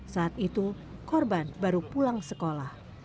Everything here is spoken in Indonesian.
saat itu korban baru pulang sekolah